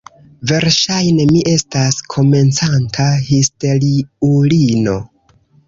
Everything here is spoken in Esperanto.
Verŝajne, mi estas komencanta histeriulino.